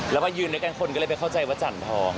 แล้วมายืนด้วยกันคนก็เลยไปเข้าใจว่าจันทอง